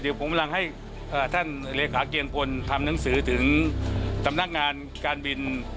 เดี๋ยวผมกำลังให้ท่านเลขาเกียงพลทำหนังสือถึงตำนักงานการบินคนละเรือนนะครับ